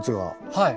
はい。